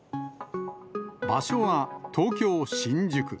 場所は東京・新宿。